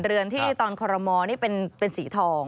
เรือนที่ตอนคอรมอลนี่เป็นสีทอง